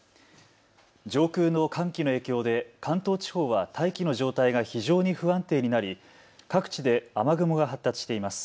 上空の寒気の影響で関東地方は大気の状態が非常に不安定になり各地で雨雲が発達しています。